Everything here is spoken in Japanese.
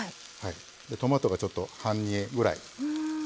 トマトがちょっと半煮えぐらい。